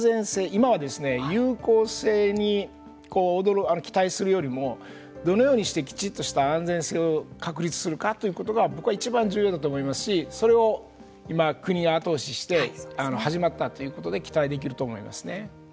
今は有効性に期待するよりもどのようにしてきちんとした安全性を確立するかということが僕はいちばん重要だと思いますしそれを今国が後押しして始まったということで期待できると思いますね。